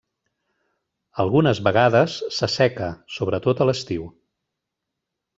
Algunes vegades s'asseca, sobretot a l'estiu.